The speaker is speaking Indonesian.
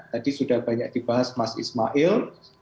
tadi sudah banyak dibahas mas ismail